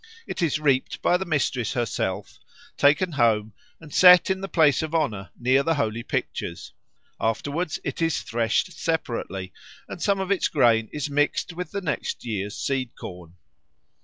It is reaped by the mistress herself, taken home and set in the place of honour near the holy pictures; afterwards it is threshed separately, and some of its grain is mixed with the next year's seed corn.